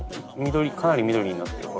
かなり緑になってる。